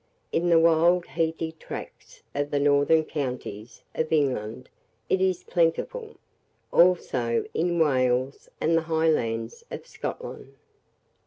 In the wild heathy tracts of the northern counties of England it is plentiful, also in Wales and the Highlands of Scotland.